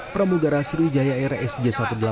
pramugara sriwijaya r s j satu ratus delapan puluh dua